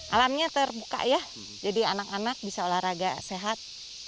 alamnya terbuka ya jadi anak anak bisa olahraga sehat